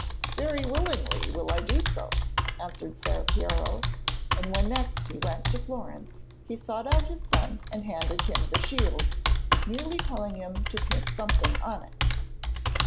'Very willingly will I do so,' answered Ser Piero, and when next he went to Florence he sought out his son and handed him the shield, merely telling him to paint something on it.